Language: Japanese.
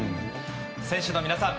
選手の皆さん